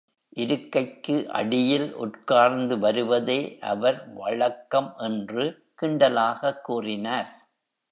இருக்கைக்கு அடியில் உட்கார்ந்து வருவதே அவர் வழக்கம் என்று கிண்டலாகக் கூறினார்.